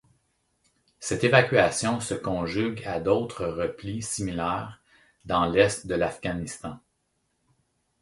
Cette évacuation se conjugue à d'autres replis similaires dans l'est de l'Afghanistan.